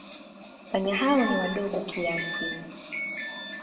Panya hao ni wadogo kiasi.